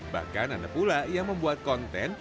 bahkan ada pula yang membuat konten